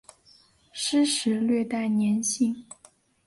湿时略带黏性。